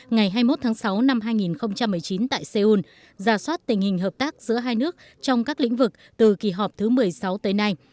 ngày hai mươi một tháng sáu năm hai nghìn một mươi chín tại seoul giả soát tình hình hợp tác giữa hai nước trong các lĩnh vực từ kỳ họp thứ một mươi sáu tới nay